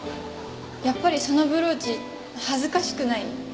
やっぱりそのブローチ恥ずかしくない？